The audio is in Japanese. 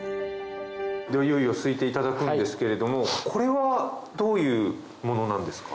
いよいよ漉いていただくんですけれどもこれはどういうものなんですか？